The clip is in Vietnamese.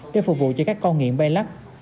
để phục vụ cho các con nghiện bay lắc